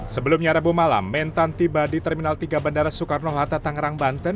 sebelumnya rabu malam mentan tiba di terminal tiga bandara soekarno hatta tangerang banten